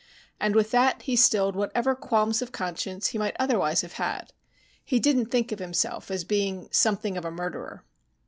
And with that he stilled whatever qualms of conscience he might otherwise have had. He didn't think of himself as being something of a murderer.